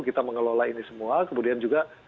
kita mengelola ini semua kemudian juga